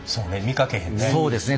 そうですね